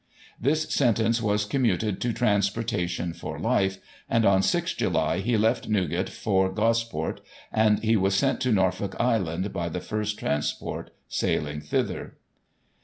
" This sentence Weis commuted to transportation for life, and on 6 July he left Newgate for Gosport, and he was sent to Norfolk Island by the first transport sailing thither.